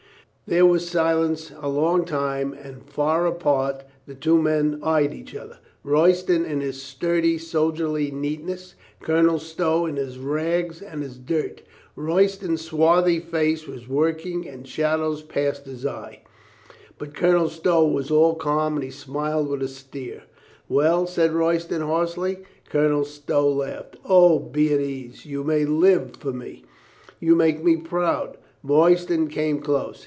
There was silence a long time, and far apart the two men eyed each other, Royston in his sturdy sol dierly neatness. Colonel Stow in his rags and his dirt Royston's swarthy face was working and' shadows passed his eyes. But Colonel Stow was all calm and he smiled with a sneer. "Well?" said Royston hoarsely. Colonel Stow laughed. "O, be at ease! You may live for me. You make me proud." Royston came close.